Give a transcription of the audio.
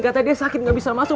katanya dia sakit nggak bisa masuk